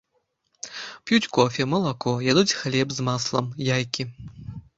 П'юць кофе, малако, ядуць хлеб з маслам, яйкі.